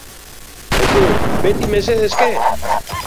Aizu, beti mesede eske!